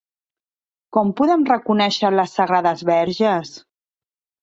Com podem reconèixer les sagrades verges?